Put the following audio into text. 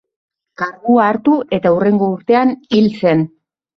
Kargua hartu eta hurrengo urtean hil zen.